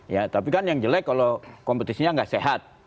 ya tapi kan yang jelek kalau kompetisinya nggak sehat